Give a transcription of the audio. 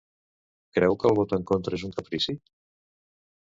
Creu que el vot en contra és un caprici?